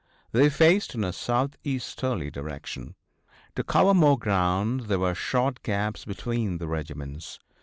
They faced in a southeasterly direction. To cover more ground there were short gaps between the regiments.